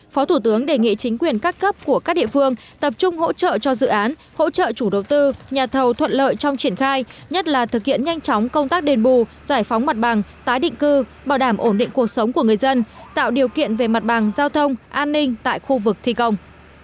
phó thủ tướng đề nghị chính quyền các cấp của các địa phương tập trung hỗ trợ cho dự án hỗ trợ chủ đầu tư nhà thầu thuận lợi trong triển khai nhất là thực hiện nhanh chóng công tác đền bù giải phóng mặt bằng tái định cư bảo đảm ổn định cuộc sống của người dân tạo điều kiện về mặt bằng giao thông an ninh tại khu vực thi công